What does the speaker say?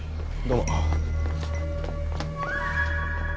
どうも。